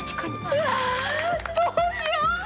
うわどうしよう！